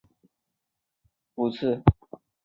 快雪时晴佳想安善未果为结力不次。